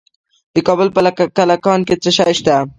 د کابل په کلکان کې څه شی شته؟